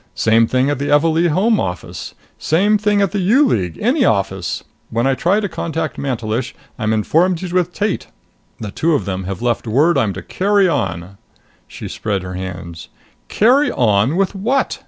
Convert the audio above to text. Same thing at the Evalee Home office. Same thing at the U League any office. Then I try to contact Mantelish. I'm informed he's with Tate! The two of them have left word I'm to carry on." She spread her hands. "Carry on with what?